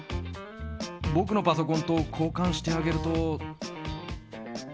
僕のパソコンと交換してあげると。